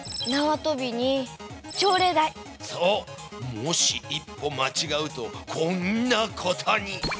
もし一歩まちがうとこんなことに。